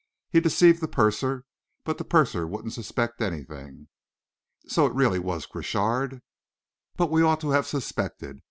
He deceived the purser but the purser wouldn't suspect anything!" "So it was really Crochard...." "But we ought to have suspected.